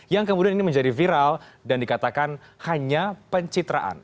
yang kemudian ini menjadi viral dan dikatakan hanya pencitraan